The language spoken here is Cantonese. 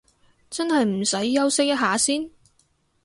真係唔使休息一下先？